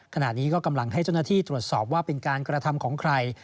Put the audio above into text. ขณะนี้ก็กำลังให้เจ้าหน้าที่ตรวจสอบว่าเป็นการกระทำของใคร